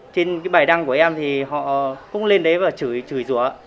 trên cái bài đăng của em thì họ cũng lên đấy và chửi chùi rùa